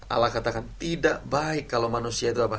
allah katakan tidak baik kalau manusia itu apa